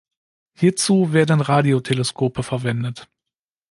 Hierzu werden Radioteleskope verwendet.